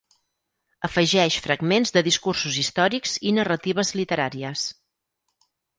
Afegeix fragments de discursos històrics i narratives literàries.